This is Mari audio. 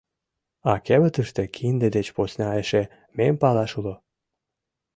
А кевытыште кинде деч посна эше мем палаш уло?